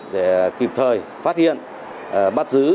để kịp thời phát hiện bắt giữ